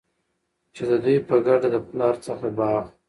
چي د دوي په ګډه د پلار څخه باغ